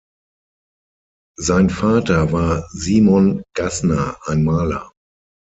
Sein Vater war Simon Gaßner, ein Maler.